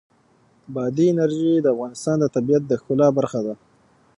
بادي انرژي د افغانستان د طبیعت د ښکلا برخه ده.